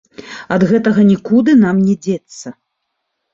Ад гэтага нікуды нам не дзецца.